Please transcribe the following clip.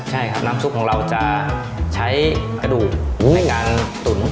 ใช่ครับน้ำซุปของเราจะใช้กระดูกในการตุ๋น